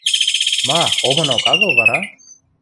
Ма, омынок агыл вара?